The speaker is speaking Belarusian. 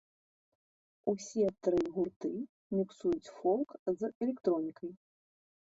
Усе тры гурты міксуюць фолк з электронікай.